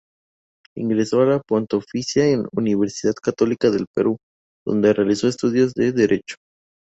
Ingresó a la Pontificia Universidad Católica del Perú, en dónde realizó estudios de derecho.